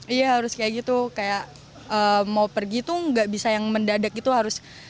iya harus kayak gitu kayak mau pergi tuh nggak bisa yang mendadak gitu harus